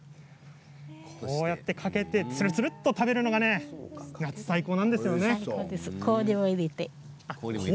こうやってつるつるっと食べるのが夏、最高なんですよね。